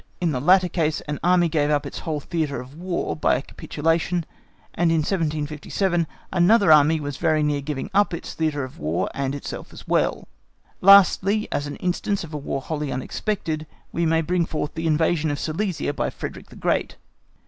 In the latter case an Army gave up its whole theatre of war by a capitulation, and in 1757 another Army was very near giving up its theatre of war and itself as well. Lastly, as an instance of a War wholly unexpected, we may bring forward the invasion of Silesia by Frederick the Great.